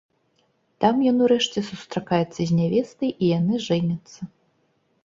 Там ён урэшце сустракаецца з нявестай, і яны жэняцца.